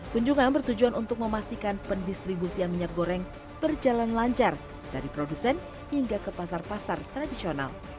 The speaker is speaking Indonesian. kunjungan bertujuan untuk memastikan pendistribusian minyak goreng berjalan lancar dari produsen hingga ke pasar pasar tradisional